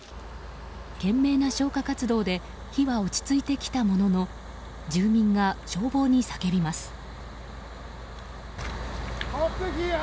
懸命な消火活動で火は落ち着いてきたものの住民が消防に叫びます。